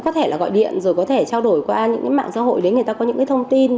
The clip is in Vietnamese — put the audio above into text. có thể là gọi điện rồi có thể trao đổi qua những mạng xã hội để người ta có những thông tin